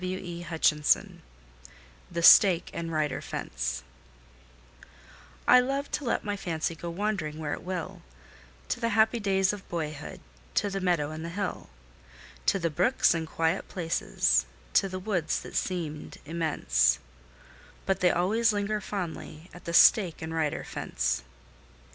The Stake and Rider Fence I love to let my fancy go wandering where it will, To the happy days of boyhood, to the meadow and the hill; To the brooks and quiet places, to the woods that seemed immense, But they always linger fondly at the stake and rider fence.